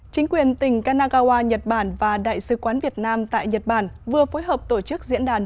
chính quyền tỉnh kanagawa nhật bản và đại sứ quán việt nam tại nhật bản vừa phối hợp tổ chức diễn đàn